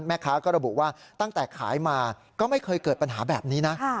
แม่ค้าก็ระบุว่าตั้งแต่ขายมาก็ไม่เคยเกิดปัญหาแบบนี้นะ